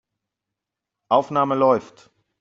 Aufnahme läuft.